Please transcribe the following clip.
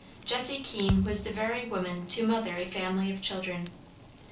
Jessie Keene was the very woman to "mother" a family of children.